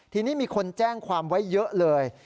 ทีนี้มีคนแจ้งความไว้เยอะเลย